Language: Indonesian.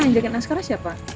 yang jagain askara siapa